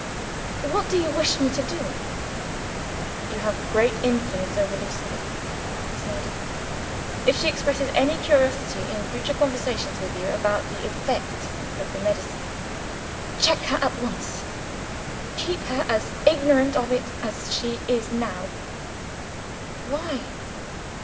What do you wish me to do?" "You have great influence over Lucilla," he said. "If she expresses any curiosity, in future conversations with you, about the effect of the medicine, check her at once. Keep her as ignorant of it as she is now!" "Why?"